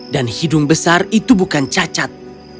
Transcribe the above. dan hidung besar itu bukan cacat